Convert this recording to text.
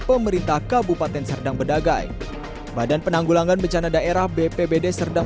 pemerintah kabupaten serdang bedagai badan penanggulangan bencana daerah bpbd serdang